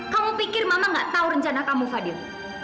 kamu pikir mama gak tahu rencana kamu fadil